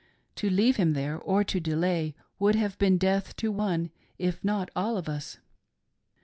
To leave him there or to delay would have been death to one if not all of us.